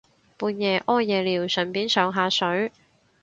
半夜屙夜尿順便上下水